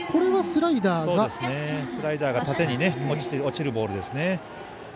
スライダーが縦に落ちるボールです。